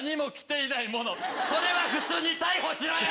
それは普通に逮捕しろや！